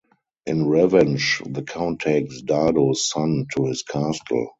In revenge, the count takes Dardo's son to his castle.